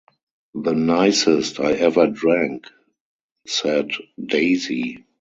“The nicest I ever drank,” said Daisy.